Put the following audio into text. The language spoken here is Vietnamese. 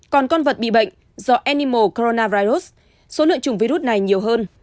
còn con vật bị bệnh do enimal coronavirus số lượng chủng virus này nhiều hơn